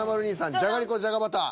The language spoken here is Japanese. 「じゃがりこじゃがバター」。